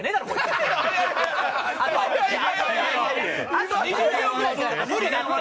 あと２０秒ぐらいじゃ無理だって。